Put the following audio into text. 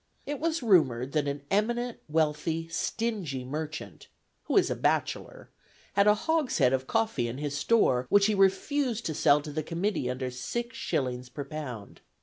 It was rumored that an eminent, wealthy, stingy merchant (who is a bachelor) had a hogshead of coffee in his store, which he refused to sell to the committee under six shillings per pound.